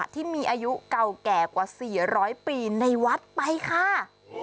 ที่มีอายุเก่าแก่กว่า๔๐๐ปีในวัดไปค่ะ